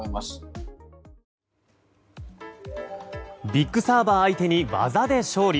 ビッグサーバー相手に技で勝利。